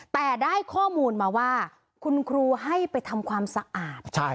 แต่ได้ข้อมูลมาว่าคุณครูให้ไปทำความสะอาด